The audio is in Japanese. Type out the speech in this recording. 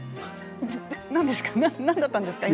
何ですか？